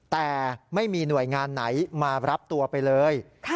แต่ไม่มีหน่วยงานไหนมารับตัวไปเลย